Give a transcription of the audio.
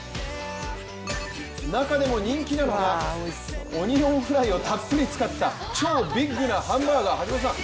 中でも人気なのが、オニオンフライをたっぷり使った超ビッグなハンバーガー橋本さん